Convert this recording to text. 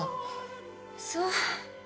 そう。